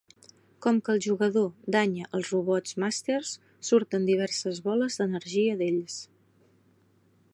Com que el jugador danya els Robots Masters, surten diverses boles d'energia d'ells.